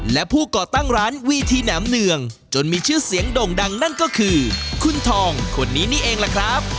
และผู้ก่อตั้งร้านวีทีแหนมเนืองจนมีชื่อเสียงโด่งดังนั่นก็คือคุณทองคนนี้นี่เองล่ะครับ